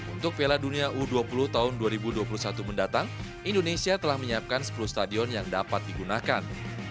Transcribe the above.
untuk piala dunia u dua puluh tahun dua ribu dua puluh satu mendatang indonesia telah menyiapkan sepuluh stadion yang dapat digunakan